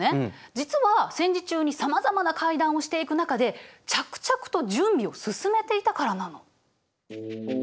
実は戦時中にさまざまな会談をしていく中で着々と準備を進めていたからなの。